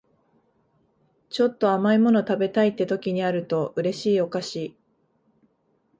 ちょっと甘い物食べたいって時にあると嬉しいお菓子